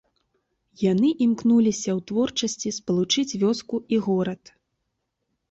Яны імкнуліся ў творчасці спалучыць вёску і горад.